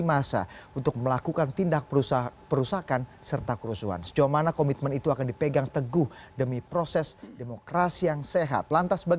masalahnya seperti ahok sudah diperiksa